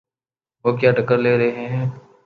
وہ کیا ٹکر لے رہے ہیں؟